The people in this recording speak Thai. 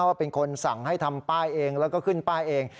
ว่าเป็นคนสั่งให้ทำป้ายเองแล้วก็ขึ้นป้ายเอง